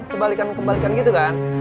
kebalikan kebalikan gitu kan